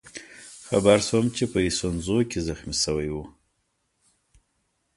خبر شوم چې په ایسونزو کې زخمي شوی وئ.